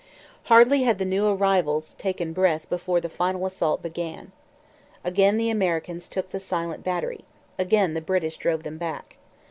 Hardly had the new arrivals taken breath before the final assault began. Again the Americans took the silent battery. Again the British drove them back.